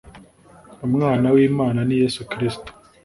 umwan w'imana ni yesu kristo